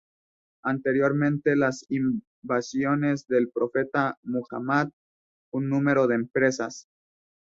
Anteriormente las invasiones del Profeta Muhammad, un número de empresas.